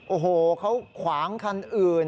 โอ้โหเขาขวางคันอื่น